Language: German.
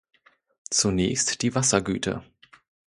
Zunächst die Wassergüte.